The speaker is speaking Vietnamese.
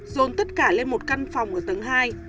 dồn tất cả lên một căn phòng ở tầng hai